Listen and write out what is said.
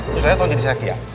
misalnya toh jadi saya kia